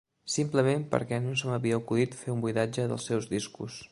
Simplement perquè no se m'havia acudit fer un buidatge dels seus discos.